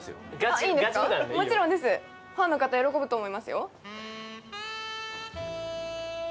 ファンの方、喜ぶと思いますよ。